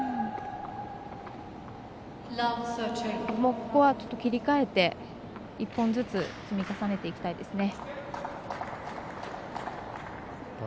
ここは切り替えて１本ずつ積み重ねていきたいですね。